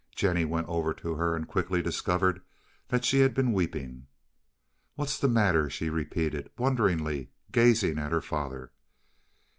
Jennie went over to her and quickly discovered that she had been weeping. "What's the matter?" she repeated wonderingly, gazing at her father.